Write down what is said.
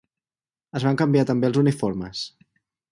Es van canviar també els uniformes.